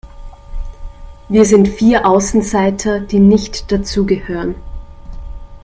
Wir sind vier Außenseiter, die nicht dazugehören.